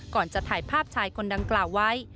ก่อนจะถ่ายภาพชายคนดังกล่าวไว้